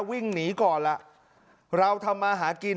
วิ่งหนีก่อนล่ะเราทำมาหากิน